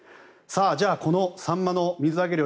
このサンマの水揚げ量